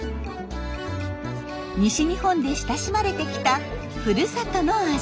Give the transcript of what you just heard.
西日本で親しまれてきたふるさとの味。